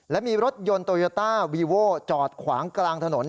และมีรถยนต์โตโยต้าวีโว้จอดขวางกลางถนน